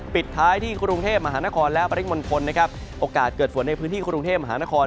ปิดท้ายที่กรุงเทพมหานครและปริมณฑลนะครับโอกาสเกิดฝนในพื้นที่กรุงเทพมหานคร